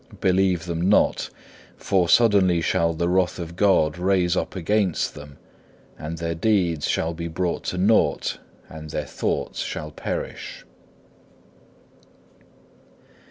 believe them not, for suddenly shall the wrath of God rise up against them, and their deeds shall be brought to nought, and their thoughts shall perish.